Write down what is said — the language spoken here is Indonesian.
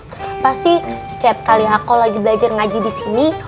kenapa sih setiap kali aku lagi belajar ngaji disini